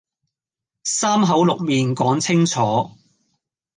三口六面講清楚